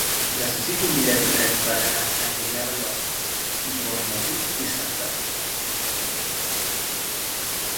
Necessito un bitllet de tren per anar a Sant Julià del Llor i Bonmatí dissabte.